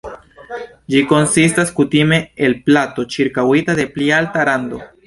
Ĝi konsistas kutime el plato ĉirkaŭita de pli alta rando.